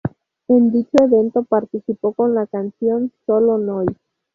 En dicho evento participó con la canción ""Solo noi"".